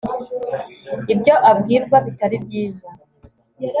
ibyo abwirwa bitari byiza